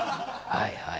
「はいはい」